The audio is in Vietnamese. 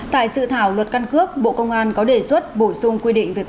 tại sự thảo luật căn cước bộ công an có đề xuất bổ sung quy định về các bậc phụ huynh